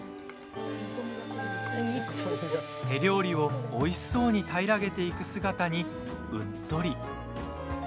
手料理を、おいしそうに平らげていく姿にうっとり。